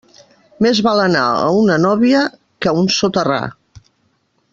Més val anar a una nóvia que a un soterrar.